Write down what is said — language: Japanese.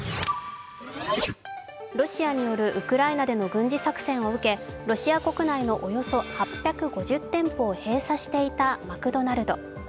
ロシアによるウクライナでの軍事作戦を受け、ロシア国内のおよそ８５０店舗を閉鎖していたマクドナルド。